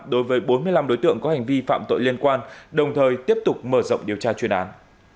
đối với bốn mươi năm đối tượng có hành vi phạm tội liên quan đồng thời tiếp tục mở rộng điều tra chuyên án